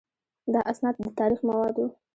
دا اسناد د تاریخ مواد وو.